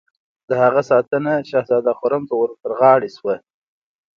د هغه ساتنه شهزاده خرم ته ور تر غاړه شوه.